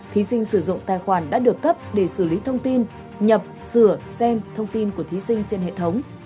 thí sinh sử dụng tài khoản đã được cấp để xử lý thông tin nhập sửa xem thông tin của thí sinh trên hệ thống